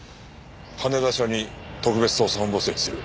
羽田署に特別捜査本部を設置する。